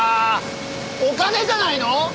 お金じゃないの？